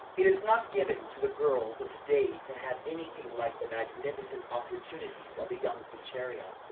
It is not given to the girls of to day to have any thing like the magnificent opportunities of the young Pulcheria.